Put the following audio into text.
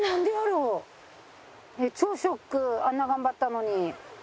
超ショックあんなに頑張ったのに。